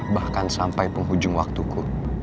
bahkan sampai penghujung waktuku